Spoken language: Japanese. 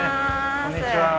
こんにちは。